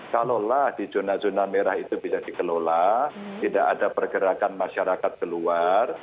kalaulah di zona zona merah itu bisa dikelola tidak ada pergerakan masyarakat keluar